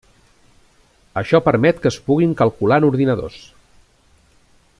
Això permet que es puguin calcular en ordinadors.